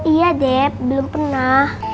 iya dep belum pernah